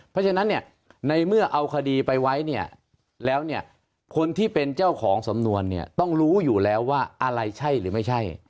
เพราะฉะนั้นเนี่ยในเมื่อเอาคดีไปไว้เนี่ยแล้วเนี่ยคนที่เป็นเจ้าของสำนวนเนี่ยต้องรู้อยู่แล้วว่าอะไรใช่หรือไม่ใช่